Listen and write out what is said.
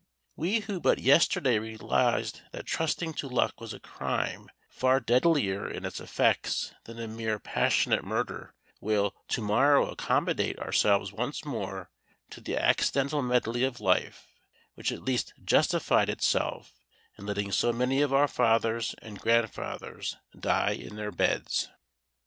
We who but yesterday realised that trusting to luck was a crime far deadlier in its effects than a mere passionate murder will to morrow accommodate ourselves once more to the accidental medley of life which at least justified itself in letting so many of our fathers and grandfathers die in their beds.